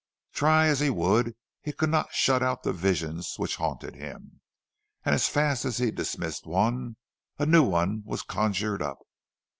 Try as he would he could not shut out the visions which haunted him, and as fast as he dismissed one, a new one was conjured up.